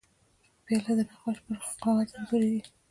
پیاله د نقاش پر کاغذ انځورېږي.